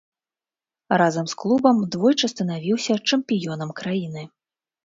Разам з клубам двойчы станавіўся чэмпіёнам краіны.